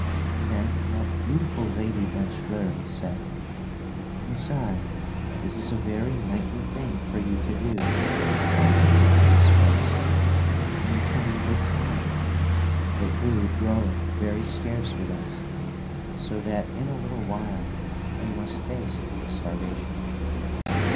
Then that beautiful Lady Blanchefleur said: "Messire, this is a very knightly thing for you to do to come hither to this place. And you come in good time, for food groweth very scarce with us so that in a little while we must face starvation.